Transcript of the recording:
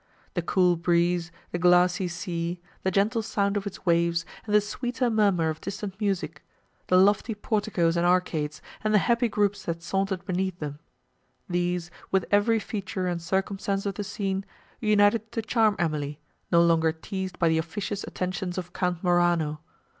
The cool breeze, the glassy sea, the gentle sound of its waves, and the sweeter murmur of distant music; the lofty porticos and arcades, and the happy groups that sauntered beneath them; these, with every feature and circumstance of the scene, united to charm Emily, no longer teased by the officious attentions of Count Morano.